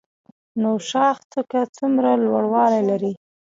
نوشاخ څوکه څومره لوړوالی لري؟